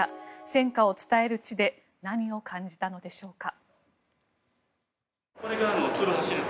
戦禍を伝える地で何を感じたのでしょうか。